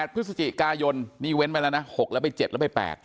พฤศจิกายนนี่เว้นไปแล้วนะ๖แล้วไป๗แล้วไป๘